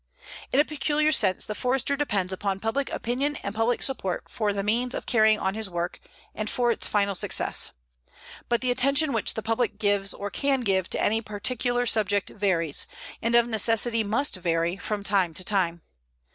In a peculiar sense the Forester depends upon public opinion and public support for the means of carrying on his work, and for its final success. But the attention which the public gives or can give to any particular subject varies, and of necessity must vary, from time to time.